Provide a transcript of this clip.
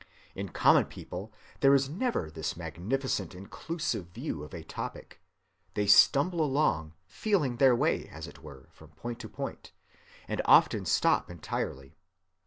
In common people there is never this magnificent inclusive view of a topic. They stumble along, feeling their way, as it were, from point to point, and often stop entirely.